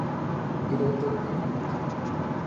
Hiroto Yamamoto